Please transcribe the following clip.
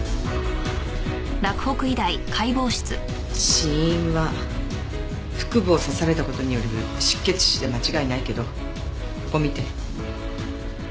死因は腹部を刺された事による失血死で間違いないけどここ見て。